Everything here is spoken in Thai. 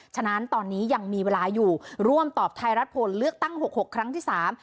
ฉะนั้นตอนนี้ยังมีเวลาอยู่ร่วมตอบไทยรัฐผลเลือกตั้งหกหกครั้งที่สาม